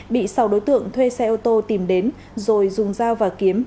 bị sau đối tượng thuê xe ô tô tìm đến rồi dùng dao và kiếm